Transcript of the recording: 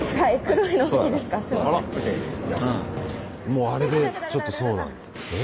もうあれでちょっとそうなんだ。え？